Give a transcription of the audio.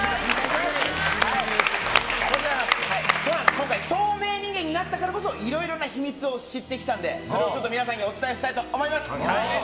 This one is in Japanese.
今回透明人間になったからこそいろいろな秘密を知ってきたのでそれを皆さんにお伝えしたいと思います。